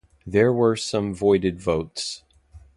There were some voided votes.